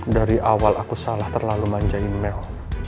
dari awal aku salah terlalu manjain melon